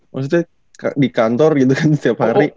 maksudnya di kantor gitu kan setiap hari